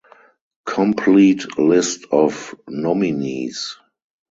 Complete list of nominees.